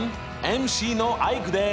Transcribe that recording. ＭＣのアイクです！